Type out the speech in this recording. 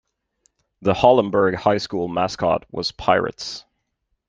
The Hollenberg High School mascot was Pirates.